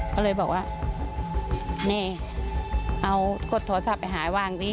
เขาเลยบอกว่าเน่เอากดโทรศัพท์ไปหายวางสิ